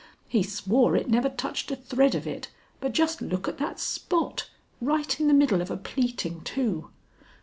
He swore it never touched a thread of it, but just look at that spot, right in the middle of a pleating too.